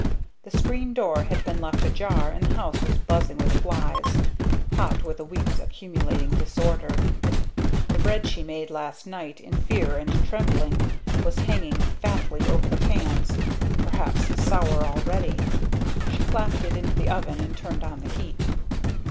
The screen door had been left ajar and the house was buzzing with flies, hot, with a week's accumulating disorder. The bread she made last night in fear and trembling, was hanging fatly over the pans; perhaps sour already. She clapped it into the oven and turned on the heat.